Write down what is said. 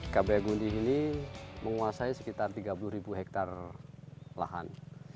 kph gundih ini menguasai sekitar tiga puluh hektar lahan